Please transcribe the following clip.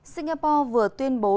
singapore vừa tuyên bố